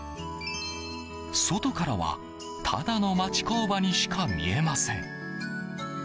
外からは、ただの町工場にしか見えません。